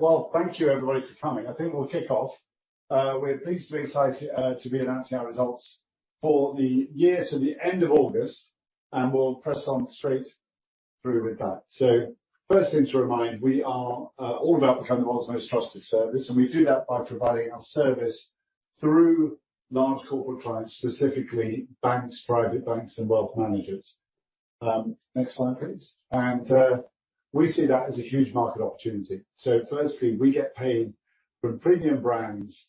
All right. Well, thank you everybody for coming. I think we'll kick off. We're pleased to be excited to be announcing our results for the year to the end of August, and we'll press on straight through with that. Firstly to remind, we are all about becoming the world's most trusted service, and we do that by providing our service through large corporate clients, specifically banks, private banks, and wealth managers. Next slide, please. We see that as a huge market opportunity. Firstly, we get paid from premium brands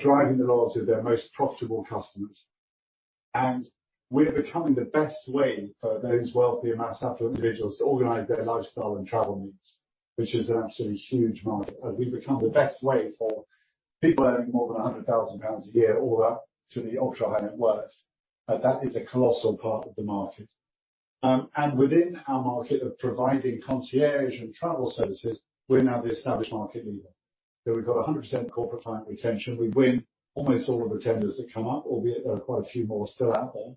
driving the loyalty of their most profitable customers. We're becoming the best way for those wealthier mass-affluent individuals to organize their lifestyle and travel needs, which is an absolutely huge market. We've become the best way for people earning more than 100,000 pounds a year, all up to the ultra-high net worth. That is a colossal part of the market. Within our market of providing concierge and travel services, we're now the established market leader. We've got 100% corporate client retention. We win almost all of the tenders that come up, albeit there are quite a few more still out there.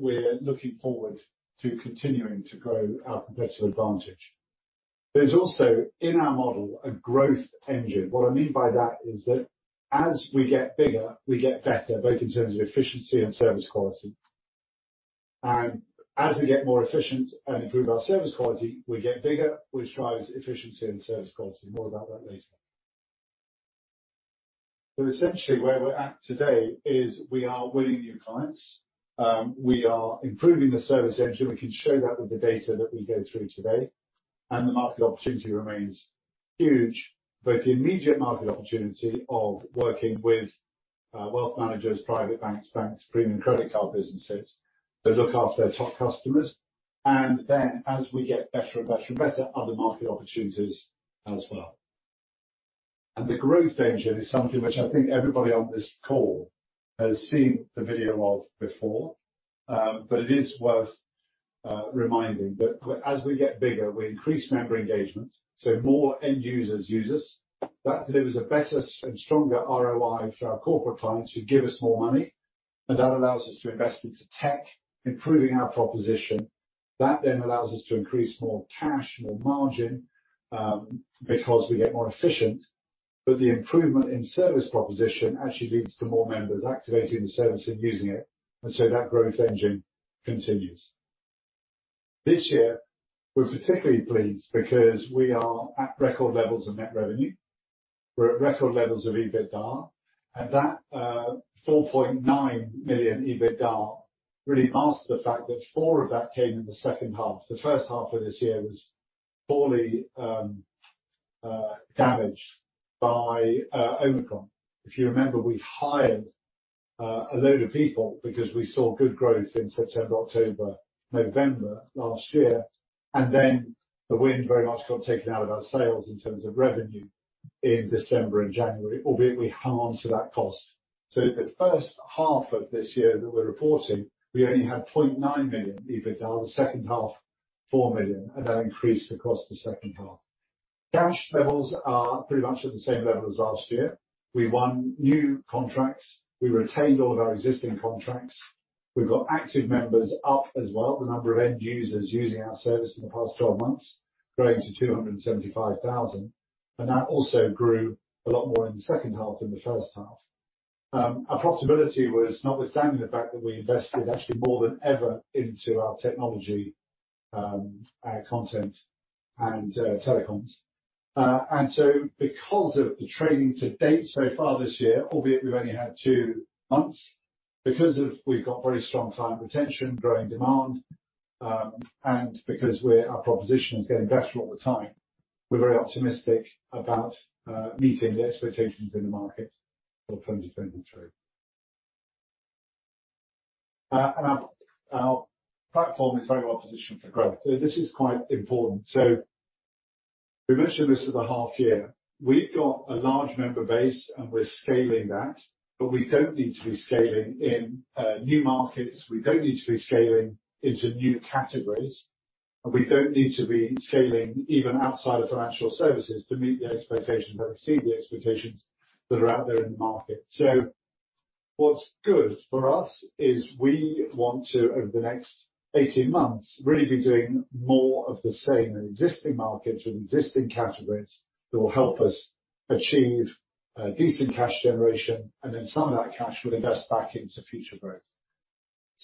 We're looking forward to continuing to grow our competitive advantage. There's also, in our model, a growth engine. What I mean by that is that as we get bigger, we get better, both in terms of efficiency and service quality. As we get more efficient and improve our service quality, we get bigger, which drives efficiency and service quality. More about that later. Essentially, where we're at today is we are winning new clients. We are improving the service engine. We can show that with the data that we go through today. The market opportunity remains huge, both the immediate market opportunity of working with wealth managers, private banks, premium credit card businesses that look after their top customers, and then as we get better and better and better, other market opportunities as well. The growth engine is something which I think everybody on this call has seen the video of before. It is worth reminding. As we get bigger, we increase member engagement, so more end users use us. That delivers a better and stronger ROI for our corporate clients who give us more money, and that allows us to invest into tech, improving our proposition. That then allows us to increase more cash, more margin because we get more efficient. But the improvement in service proposition actually leads to more members activating the service and using it. That growth engine continues. This year, we're particularly pleased because we are at record levels of net revenue. We're at record levels of EBITDA. That 4.9 million EBITDA really masks the fact that four of that came in the second half. The first half of this year was poorly damaged by Omicron. If you remember, we hired a load of people because we saw good growth in September, October, November last year. The wind very much got taken out of our sails in terms of revenue in December and January, albeit we hung on to that cost. In the first half of this year that we're reporting, we only had 0.9 million EBITDA. The second half, 4 million, and that increased across the second half. Cash levels are pretty much at the same level as last year. We won new contracts. We retained all of our existing contracts. We've got active members up as well, the number of end users using our service in the past 12 months growing to 275,000. That also grew a lot more in the second half than the first half. Our profitability was notwithstanding the fact that we invested actually more than ever into our technology, our content and telecoms. Because of the trading to date so far this year, albeit we've only had two months, because of we've got very strong client retention, growing demand, because we're, our proposition is getting better all the time, we're very optimistic about meeting the expectations in the market for the full year going through. Our platform is very well positioned for growth. This is quite important. We mentioned this at the half year. We've got a large member base, and we're scaling that, but we don't need to be scaling in new markets. We don't need to be scaling into new categories. We don't need to be scaling even outside of financial services to meet the expectations or exceed the expectations that are out there in the market. What's good for us is we want to, over the next 18 months, really be doing more of the same in existing markets or existing categories that will help us achieve decent cash generation, and then some of that cash we'll invest back into future growth.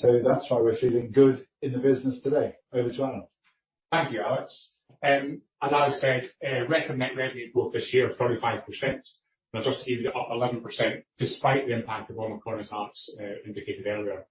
That's why we're feeling good in the business today. Over to Arnold. Thank you, Alex. As Alex said, record net revenue growth this year of 35%. Just to give you the up 11% despite the impact of Omicron, as Alex indicated earlier.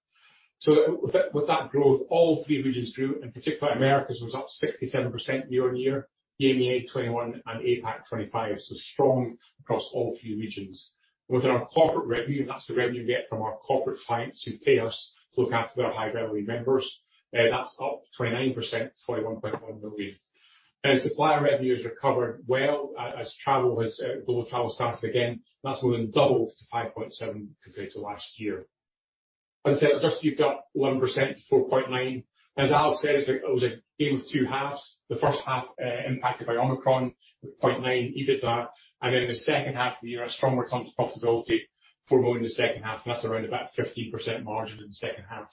With that growth, all three regions grew, and particularly Americas was up 67% year-on-year, EMEA 21%, and APAC 25%. Strong across all three regions. Within our corporate revenue, and that's the revenue we get from our corporate clients who pay us to look after their high-value members, that's up 29% to 21.1 million. Supplier revenue has recovered well as travel has, global travel started again. That's more than doubled to 5.7 compared to last year. Just give up 1% to 4.9. As Alex said, it was a game of two halves, the first half, impacted by Omicron with 0.9 million EBITDA, the second half of the year, a strong return to profitability, 4 million in the second half, that's around about 15% margin in the second half.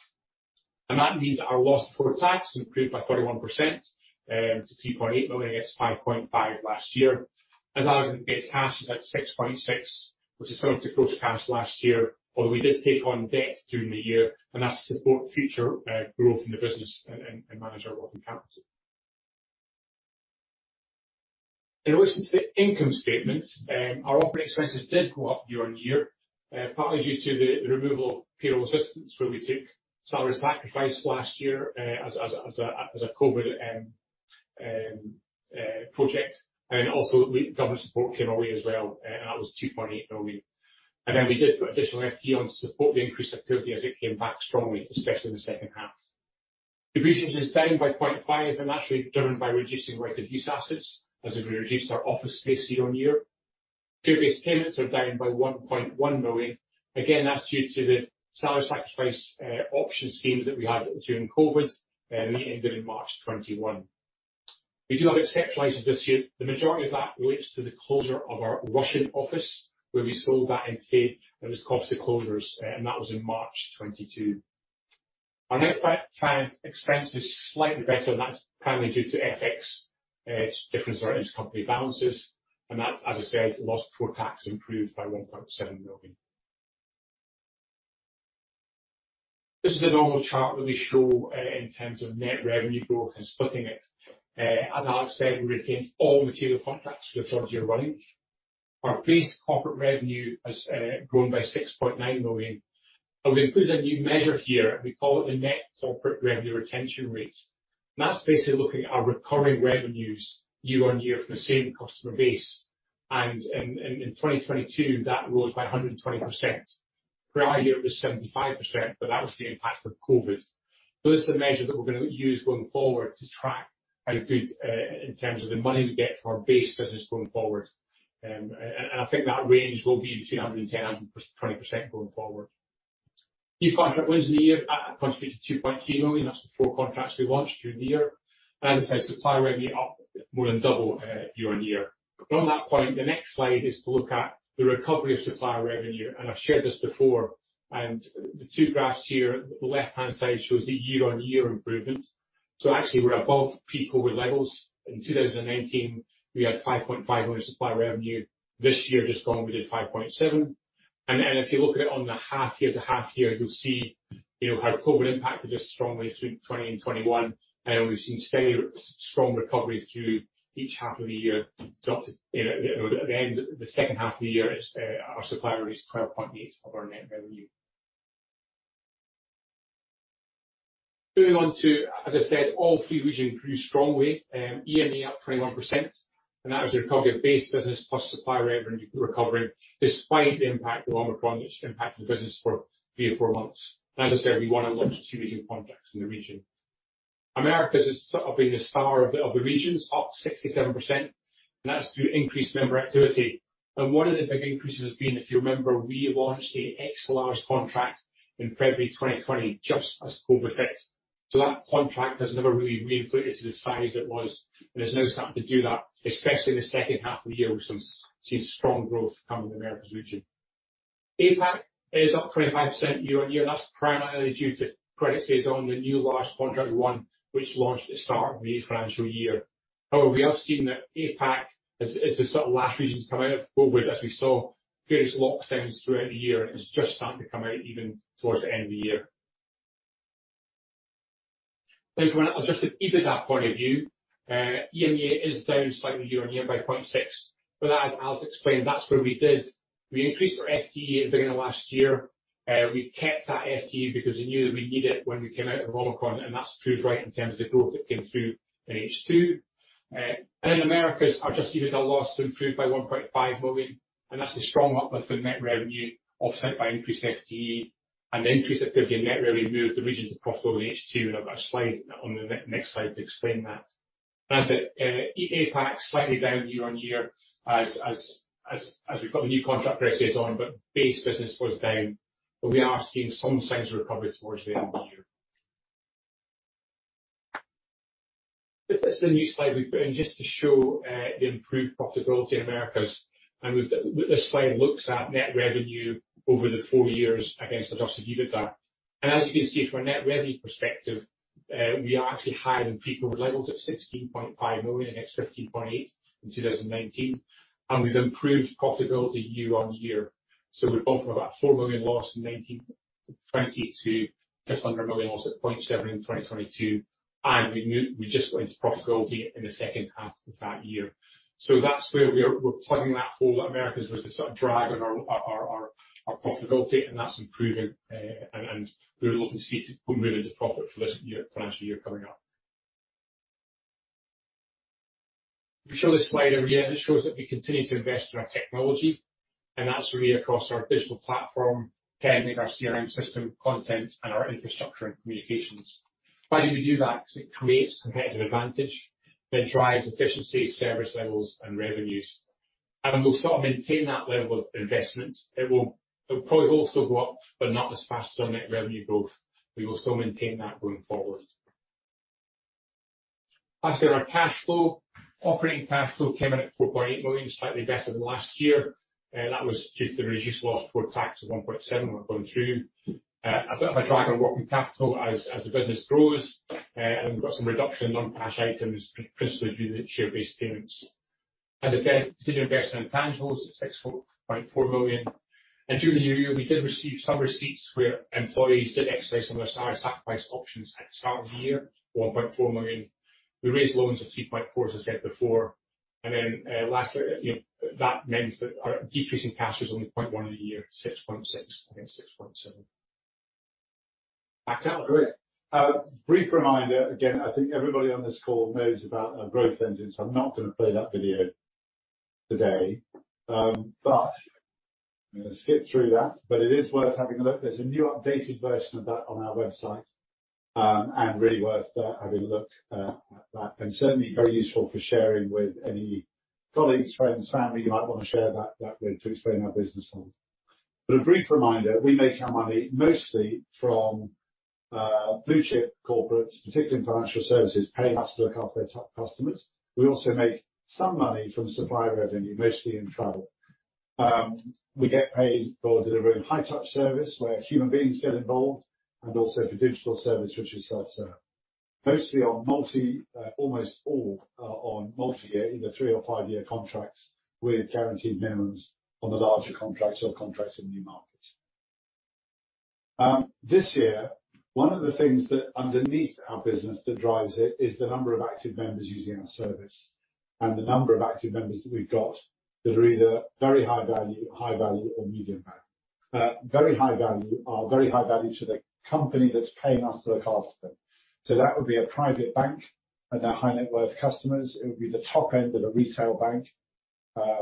That means our loss before tax improved by 31%, to 3.8 million against 5.5 million last year. As Alex said, cash is at 6.6 million, which is similar to gross cash last year, although we did take on debt during the year, that's to support future growth in the business and manage our working capital. In relation to the income statement, our operating expenses did go up year-on-year, partly due to the removal of payroll assistance where we took salary sacrifice last year, as a COVID project. Government support came away as well, and that was 2.8 million. We did put additional FTE on to support the increased activity as it came back strongly, especially in the second half. Depreciation is down by 0.5, and that's really driven by reducing right-of-use assets as we reduced our office space year-on-year. Share-based payments are down by 1.1 million. Again, that's due to the salary sacrifice option schemes that we had during COVID, and they ended in March 2021. We do have exceptional items this year. The majority of that relates to the closure of our Russian office, where we sold that in full and it was cost of closures, and that was in March 2022. Our net expense is slightly better, That's primarily due to FX. It's difference in our intercompany balances, That, as I said, loss before tax improved by 1.7 million. This is a normal chart that we show in terms of net revenue growth and splitting it. As Alex said, we retained all material contracts for the third year running. Our base corporate revenue has grown by 6.9 million. We've included a new measure here, we call it the Net Corporate Revenue Retention Rate. That's basically looking at our recurring revenues year-on-year from the same customer base. In 2022, that rose by 120%. The prior year it was 75%, that was the impact of COVID. This is the measure that we're gonna use going forward to track how good in terms of the money we get from our base business going forward. I think that range will be between 110%-120% going forward. New contract wins in the year contributed 2.2 million. That's the four contracts we launched during the year. As I said, supplier revenue up more than double year-on-year. On that point, the next slide is to look at the recovery of supplier revenue, and I've shared this before. The two graphs here, the left-hand side shows the year-on-year improvement. Actually we're above pre-COVID levels. In 2019, we had 5.5 million supplier revenue. This year just gone, we did 5.7 million. If you look at it on the half year to half year, you'll see, you know, how COVID impacted us strongly through 2020 and 2021. We've seen steady, strong recovery through each half of the year to up to, you know, at the end, the second half of the year, it's our supplier released 12.8 of our net revenue. Moving on to, as I said, all three regions grew strongly. EMEA up 21%, and that was the recovery of base business plus supplier revenue recovering despite the impact of Omicron, which impacted the business for three or four months. As I said, we won and launched two region contracts in the region. Americas has sort of been the star of the regions, up 67%, that's through increased member activity. One of the big increases has been, if you remember, we launched a extra-large contract in February 2020 just as COVID hit. That contract has never really reinflated to the size it was, and it's now starting to do that, especially in the second half of the year. We've seen strong growth coming in the Americas region. APAC is up 25% year-on-year, that's primarily due to Credit Suisse on the new large contract we won which launched at the start of the financial year. We have seen that APAC is the sort of last region to come out of COVID as we saw various lockdowns throughout the year, and it's just starting to come out even towards the end of the year. Thanks, everyone. Adjusted EBITDA point of view, EMEA is down slightly year-on-year by 0.6. As Alex explained, that's where we increased our FTE at the beginning of last year. We kept that FTE because we knew that we'd need it when we came out of Omicron, and that's proved right in terms of the growth that came through in H2. Americas, adjusted EBITDA loss improved by 1.5 million, that's the strong uplift in net revenue offset by increased FTE, the increased activity in net revenue moved the region to profitable in H2. I've got a slide on the next slide to explain that. As I said, APAC slightly down year-on-year as we've got the new contract progress is on, base business was down. We are seeing some signs of recovery towards the end of the year. This is the new slide we've put in just to show the improved profitability in Americas. This slide looks at net revenue over the four years against adjusted EBITDA. As you can see, from a net revenue perspective, we are actually higher than pre-COVID levels at 16.5 million against 15.8 in 2019. We've improved profitability year-on-year. We've gone from about 4 million loss in 2019 to 2020 to just under a 1 million loss at 0.7 in 2022. We just went into profitability in the second half of that year. That's where we are. We're plugging that hole at Americas, was the sort of drag on our profitability, and that's improving. We're looking to see it to go move into profit for this year, financial year coming up. We show this slide every year. This shows that we continue to invest in our technology, that's really across our digital platform, tech, like our CRM system, content, and our infrastructure and communications. Why do we do that? 'Cause it creates competitive advantage that drives efficiency, service levels, and revenues. We'll sort of maintain that level of investment. It will probably also go up, not as fast as our net revenue growth. We will still maintain that going forward. As for our cash flow, operating cash flow came in at 4.8 million, slightly better than last year. That was due to the reduced loss before tax of 1.7 million have gone through. A bit of a drag on working capital as the business grows. We've got some reduction in non-cash items, principally due to the share-based payments. As I said, continued investment in tangibles, 6.4 million. During the year, we did receive some receipts where employees did exercise some of their sorry, sacrificed options at the start of the year, 1.4 million. We raised loans of 3.4, as I said before. Lastly, you know, that means that our decrease in cash was only 0.1 in the year, 6.6 against 6.7. Back to you. Great. Brief reminder again, I think everybody on this call knows about our growth engines. I'm not gonna play that video today. I'm gonna skip through that, but it is worth having a look. There's a new updated version of that on our website, and really worth having a look at that, and certainly very useful for sharing with any colleagues, friends, family you might wanna share that with to explain our business model. A brief reminder, we make our money mostly from blue chip corporates, particularly in financial services, paying us to look after their top customers. We also make some money from supplier revenue, mostly in travel. We get paid for delivering high touch service where human beings get involved and also for digital service, which is self-serve. Mostly on multi, almost all, on multi-year, either three or five-year contracts with guaranteed minimums on the larger contracts or contracts in new markets. This year, one of the things that underneath our business that drives it is the number of active members using our service and the number of active members that we've got that are either very high value, high value or medium value. Very high value are very high value to the company that's paying us to look after them. That would be a private bank and their high net worth customers. It would be the top end of the retail bank,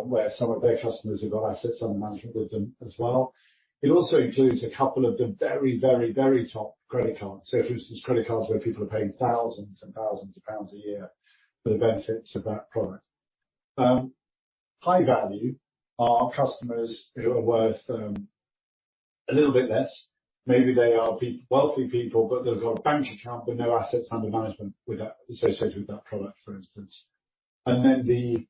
where some of their customers have got assets under management with them as well. It also includes a couple of the very, very, very top credit cards. For instance, credit cards where people are paying thousands and thousands of pounds a year for the benefits of that product. High value are customers who are worth a little bit less. Maybe they are wealthy people, but they've got a bank account but no assets under management with that, associated with that product, for instance. Then the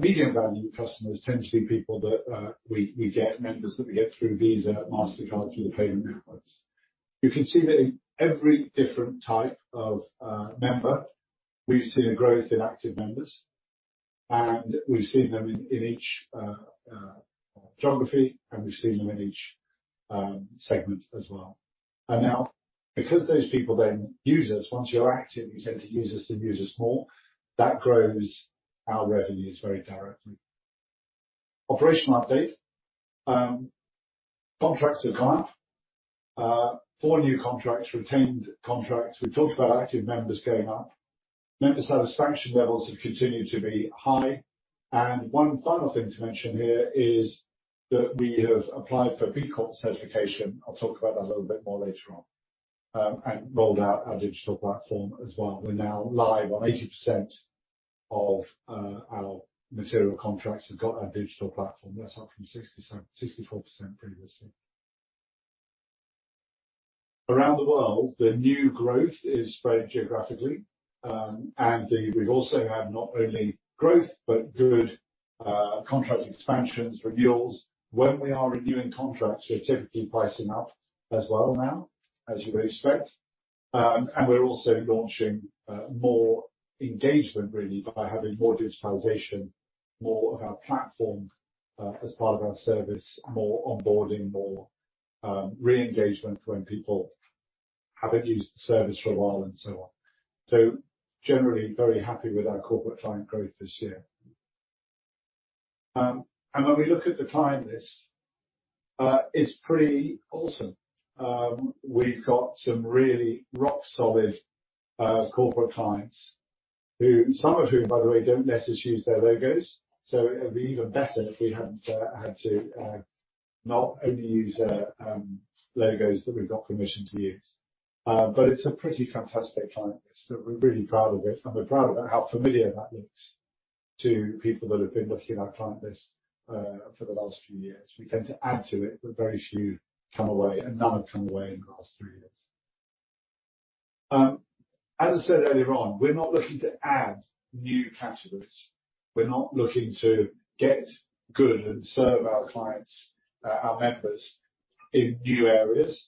medium value customers tend to be people that we get members that we get through Visa, Mastercard through the payment networks. You can see that in every different type of member, we've seen a growth in active members, and we've seen them in each geography, and we've seen them in each segment as well. Now because those people then use us, once you're active you tend to use us and use us more, that grows our revenues very directly. Operational update. Contracts are up. Four new contracts, retained contracts. We talked about active members going up. Member satisfaction levels have continued to be high. One final thing to mention here is that we have applied for B Corp certification, I'll talk about that a little bit more later on, and rolled out our digital platform as well. We're now live on 80% of our material contracts have got our digital platform. That's up from 67%, 64% previously. Around the world, the new growth is spread geographically. We've also had not only growth but good contract expansions, renewals. When we are renewing contracts, we are typically pricing up as well now, as you would expect. We're also launching more engagement really by having more digitalization, more of our platform as part of our service, more onboarding, more re-engagement when people haven't used the service for a while, and so on. Generally very happy with our corporate client growth this year. When we look at the client list, it's pretty awesome. We've got some really rock solid corporate clients who, some of whom, by the way, don't necessarily use their logos, so it would be even better if we hadn't had to not only use logos that we've got permission to use. It's a pretty fantastic client list, so we're really proud of it, and we're proud about how familiar that looks to people that have been looking at our client list for the last few years. We tend to add to it, very few come away, and none have come away in the last three years. As I said earlier on, we're not looking to add new categories. We're not looking to get good and serve our clients, our members in new areas.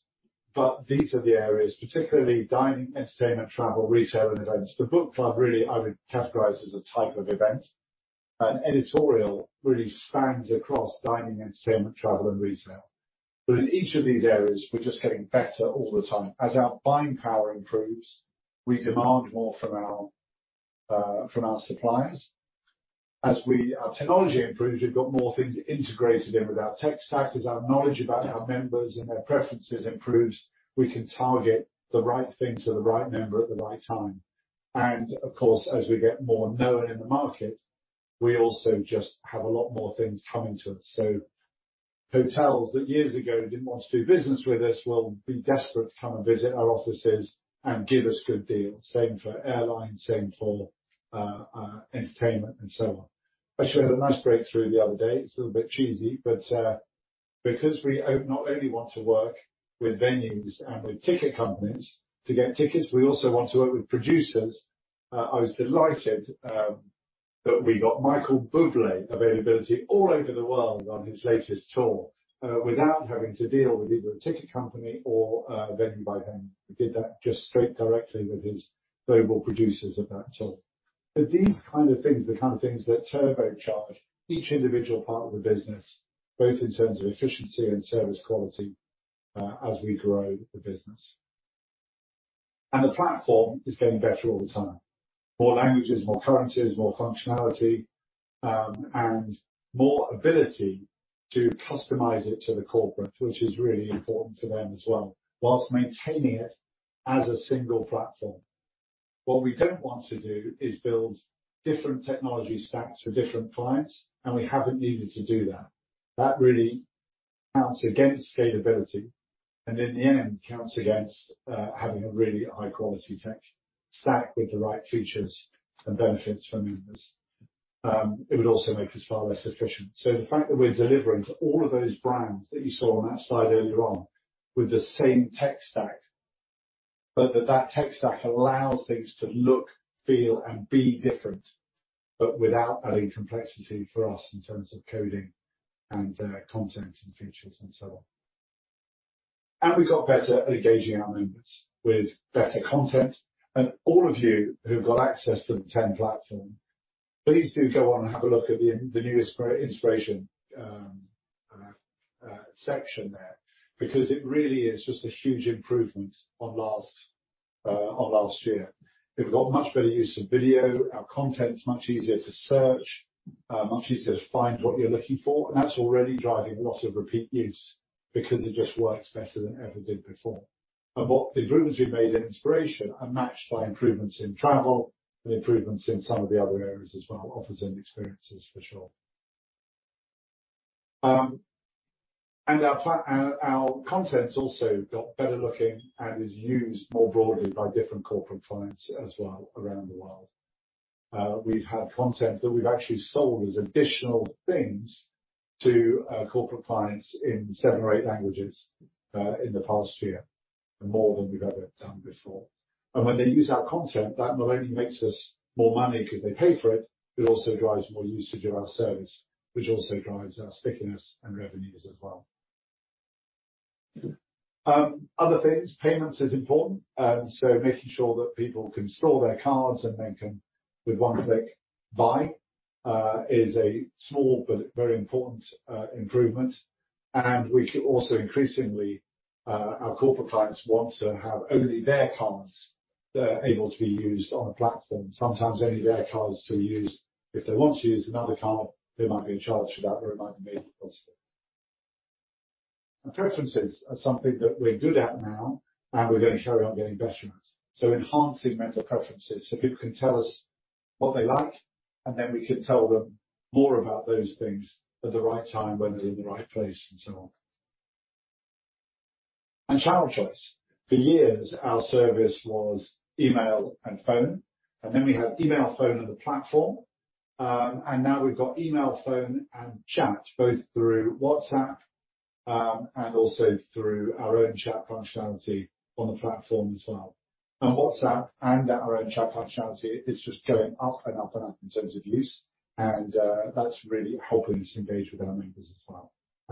These are the areas, particularly dining, entertainment, travel, retail and events. The Book Club really I would categorize as a type of event. Editorial really spans across dining, entertainment, travel and retail. In each of these areas, we're just getting better all the time. As our buying power improves, we demand more from our, from our suppliers. As we, our technology improves, we've got more things integrated in with our tech stack. As our knowledge about our members and their preferences improves, we can target the right thing to the right member at the right time. As we get more known in the market, we also just have a lot more things coming to us. Hotels that years ago didn't want to do business with us will be desperate to come and visit our offices and give us good deals. Same for airlines, same for entertainment and so on. We had a nice breakthrough the other day. It's a little bit cheesy, but because we not only want to work with venues and with ticket companies to get tickets, we also want to work with producers. I was delighted that we got Michael Bublé availability all over the world on his latest tour without having to deal with either a ticket company or a venue by then. We did that just straight directly with his global producers of that tour. These kind of things, the kind of things that turbocharge each individual part of the business, both in terms of efficiency and service quality, as we grow the business. The platform is getting better all the time. More languages, more currencies, more functionality, and more ability to customize it to the corporate, which is really important to them as well, whilst maintaining it as a single platform. What we don't want to do is build different technology stacks for different clients, and we haven't needed to do that. That really counts against scalability, and in the end, counts against having a really high-quality tech stack with the right features and benefits for members. It would also make us far less efficient. The fact that we're delivering to all of those brands that you saw on that slide earlier on with the same tech stack, but that that tech stack allows things to look, feel, and be different, but without adding complexity for us in terms of coding and content and features and so on. We got better at engaging our members with better content. All of you who've got access to the Ten platform, please do go on and have a look at the newest inspiration section there because it really is just a huge improvement on last year. We've got much better use of video. Our content is much easier to search, much easier to find what you're looking for, and that's already driving a lot of repeat use because it just works better than it ever did before. What improvements we've made in inspiration are matched by improvements in travel and improvements in some of the other areas as well, offers and experiences for sure. Our content's also got better looking and is used more broadly by different corporate clients as well around the world. We've had content that we've actually sold as additional things to corporate clients in seven or eight languages in the past year, more than we've ever done before. When they use our content, that not only makes us more money 'cause they pay for it also drives more usage of our service, which also drives our stickiness and revenues as well. Other things. Payments is important, so making sure that people can store their cards and then can with one click buy, is a small but very important improvement. We also increasingly, our corporate clients want to have only their cards that are able to be used on a platform, sometimes only their cards to use. If they want to use another card, they might be charged for that or it might be made possible. Preferences are something that we're good at now, and we're gonna carry on getting better at. Enhancing member preferences, so people can tell us what they like, and then we can tell them more about those things at the right time, when they're in the right place and so on. Channel choice. For years, our service was email and phone, and then we had email, phone and the platform. Now we've got email, phone and chat, both through WhatsApp, and also through our own chat functionality on the platform as well. WhatsApp and our own chat functionality is just going up and up and up in terms of use and that's really helping us engage with our members as well.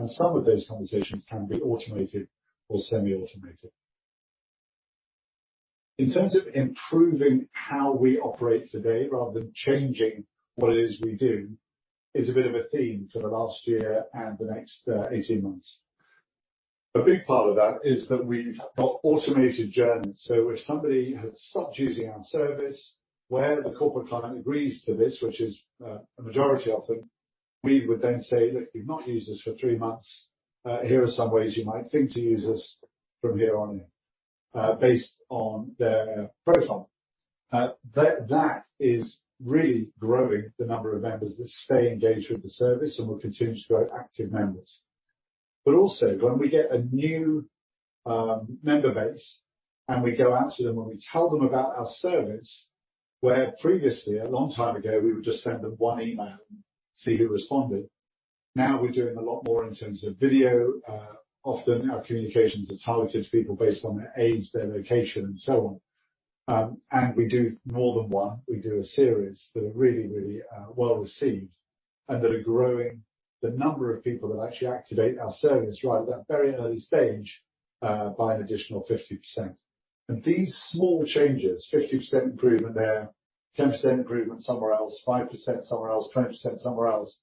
Some of those conversations can be automated or semi-automated. In terms of improving how we operate today rather than changing what it is we do, is a bit of a theme for the last year and the next 18 months. A big part of that is that we've got automated journeys. Where somebody has stopped using our service, where the corporate client agrees to this, which is a majority of them, we would then say, "Look, you've not used us for three months. Here are some ways you might think to use us from here on in," based on their profile. That is really growing the number of members that stay engaged with the service and will continue to grow active members. When we get a new member base, and we go out to them and we tell them about our service, where previously, a long time ago, we would just send them one email and see who responded. Now we're doing a lot more in terms of video. Often our communications are targeted to people based on their age, their location and so on. We do more than one. We do a series that are really, really well-received and that are growing the number of people that actually activate our service right at that very early stage, by an additional 50%. These small changes, 50% improvement there, 10% improvement somewhere else, 5% somewhere else, 20% somewhere else,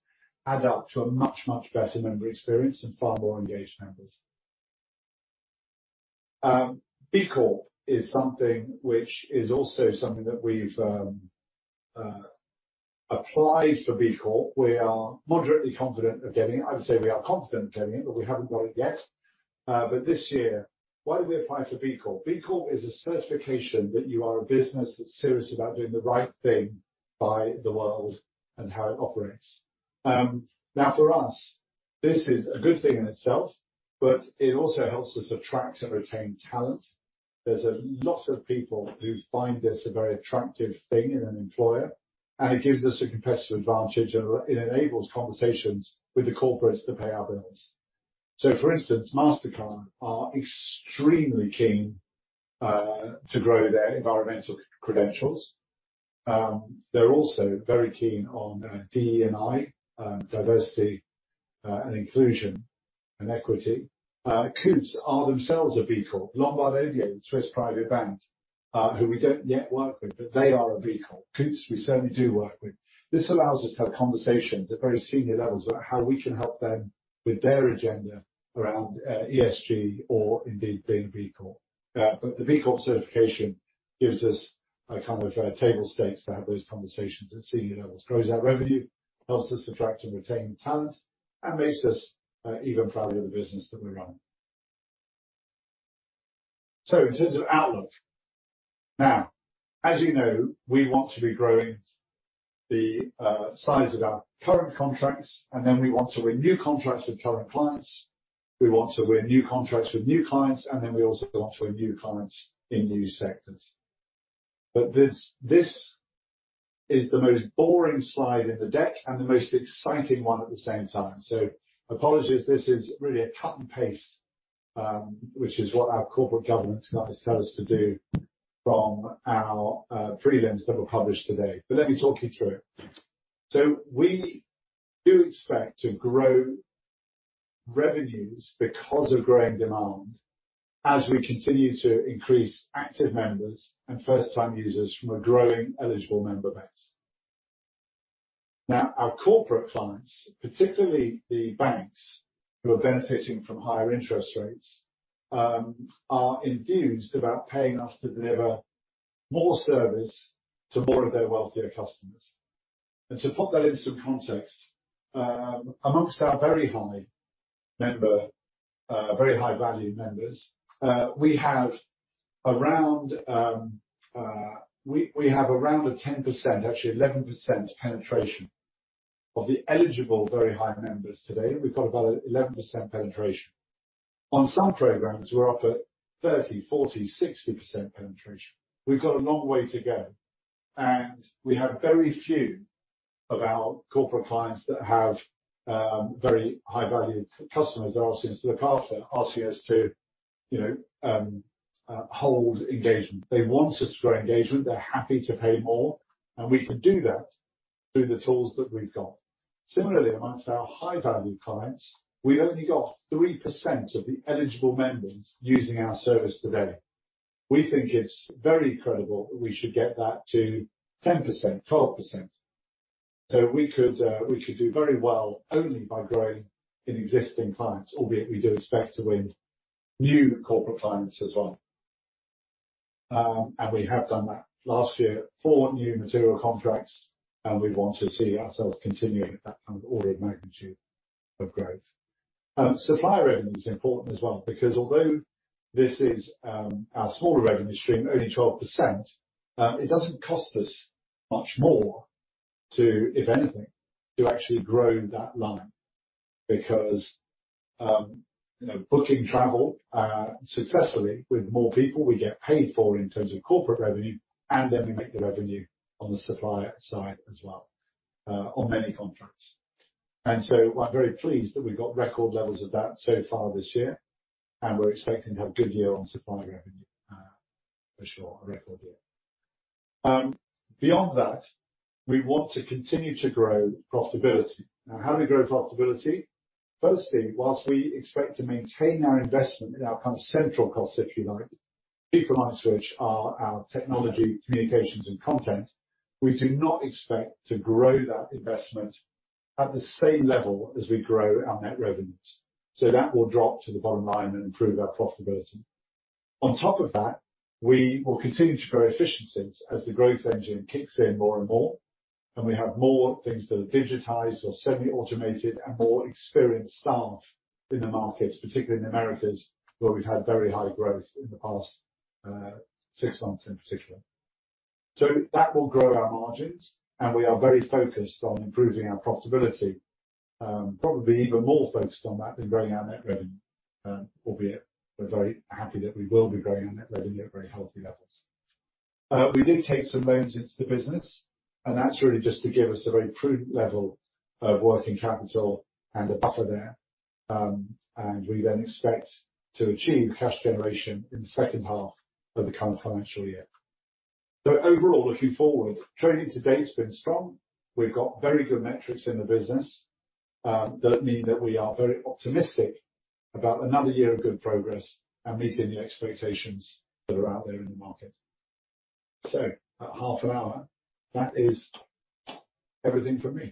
add up to a much, much better member experience and far more engaged members. B Corp is something which is also something that we've applied for B Corp. We are moderately confident of getting it. I would say we are confident of getting it, but we haven't got it yet. This year, why do we apply for B Corp? B Corp is a certification that you are a business that's serious about doing the right thing by the world and how it operates. Now for us, this is a good thing in itself. It also helps us attract and retain talent. There's a lot of people who find this a very attractive thing in an employer, and it gives us a competitive advantage and it enables conversations with the corporates to pay our bills. For instance, Mastercard are extremely keen to grow their environmental credentials. They're also very keen on DE&I, diversity, and inclusion and equity. Coutts are themselves a B Corp. Lombard Odier, the Swiss private bank, who we don't yet work with, but they are a B Corp. Coutts, we certainly do work with. This allows us to have conversations at very senior levels about how we can help them with their agenda around ESG or indeed being B Corp. The B Corp certification gives us a kind of table stakes to have those conversations at senior levels, grows our revenue, helps us attract and retain talent, and makes us even proud of the business that we run. In terms of outlook. Now, as you know, we want to be growing the size of our current contracts and then we want to win new contracts with current clients. We want to win new contracts with new clients, we also want to win new clients in new sectors. This is the most boring slide in the deck and the most exciting one at the same time. Apologies. This is really a cut and paste, which is what our corporate governance guys tell us to do from our [prelims] that were published today. Let me talk you through. We do expect to grow revenues because of growing demand as we continue to increase active members and first time users from a growing eligible member base. Our corporate clients, particularly the banks who are benefiting from higher interest rates, are enthused about paying us to deliver more service to more of their wealthier customers. To put that into some context, amongst our very high valued members, we have around 10%, actually 11% penetration of the eligible very high members today. We've got about 11% penetration. On some programs, we're up at 30%, 40%, 60% penetration. We've got a long way to go. We have very few of our corporate clients that have very high valued customers that ask us to look after, ask us to, you know, hold engagement. They want us to grow engagement. They're happy to pay more. We can do that through the tools that we've got. Similarly, amongst our high valued clients, we've only got 3% of the eligible members using our service today. We think it's very credible that we should get that to 10%, 12%. We could, we could do very well only by growing in existing clients, albeit we do expect to win new corporate clients as well. We have done that. Last year, four new material contracts, and we want to see ourselves continuing at that kind of order of magnitude of growth. Supplier revenue is important as well because although this is, our smaller revenue stream, only 12%, it doesn't cost us much more to, if anything, to actually grow that line because, you know, booking travel successfully with more people, we get paid for in terms of corporate revenue, and then we make the revenue on the supplier side as well, on many contracts. I'm very pleased that we've got record levels of that so far this year and we're expecting to have a good year on supplier revenue, for sure, a record year. Beyond that, we want to continue to grow profitability. Now, how do we grow profitability? Firstly, whilst we expect to maintain our investment in our kind of central costs, if you like, people like sweet our technology, communications and content, we do not expect to grow that investment at the same level as we grow our net revenues. That will drop to the bottom line and improve our profitability. On top of that, we will continue to grow efficiencies as the growth engine kicks in more and more, and we have more things that are digitized or semi-automated and more experienced staff in the markets, particularly in Americas, where we've had very high growth in the past, six months in particular. That will grow our margins, and we are very focused on improving our profitability, probably even more focused on that than growing our net revenue, albeit we're very happy that we will be growing our net revenue at very healthy levels. We did take some loans into the business, and that's really just to give us a very prudent level of working capital and a buffer there. We then expect to achieve cash generation in the second half of the current financial year. Overall, looking forward, trading to date has been strong. We've got very good metrics in the business that mean that we are very optimistic about another year of good progress and meeting the expectations that are out there in the market. At half an hour, that is everything from me.